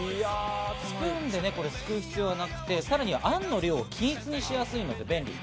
スプーンですくう必要がなくて、さらに、あんの量を均一にしやすいので便利です。